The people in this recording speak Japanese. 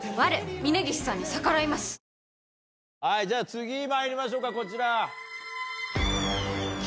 次まいりましょうかこちら。